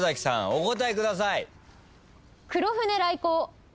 お答えください。